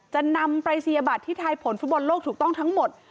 จะนำปรายศนียบัตรที่ทายผลฟุตบอลโลกถูกต้องทั้งหมด